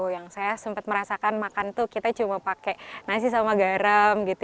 yang saya sempat merasakan makan tuh kita cuma pakai nasi sama garam gitu